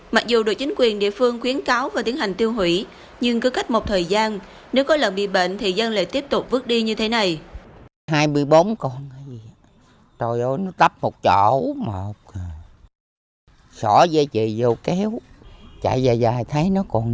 mặc dù đội chính quyền địa phương khuyến cáo và tiến hành tiêu hủy nhưng cứ cách một thời gian nếu có lợn bị bệnh thì dân lại tiếp tục vứt đi như thế này